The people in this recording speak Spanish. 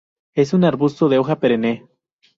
Es un arbusto de hoja perenne.